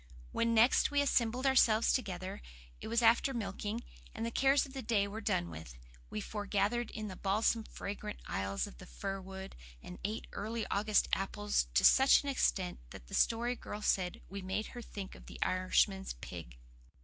When next we assembled ourselves together, it was after milking, and the cares of the day were done with. We foregathered in the balsam fragrant aisles of the fir wood, and ate early August apples to such an extent that the Story Girl said we made her think of the Irishman's pig.